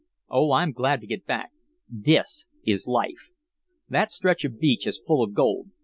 Oh, I'm glad to get back. THIS is life. That stretch of beach is full of gold.